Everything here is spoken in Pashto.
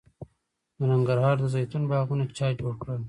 د ننګرهار د زیتون باغونه چا جوړ کړل؟